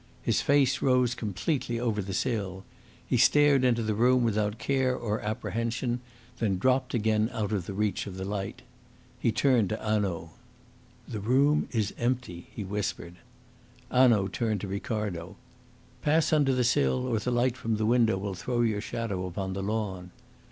His face rose completely over the sill. He stared into the room without care or apprehension, and then dropped again out of the reach of the light. He turned to Hanaud. "The room is empty," he whispered. Hanaud turned to Ricardo. "Pass under the sill, or the light from the window will throw your shadow upon the lawn."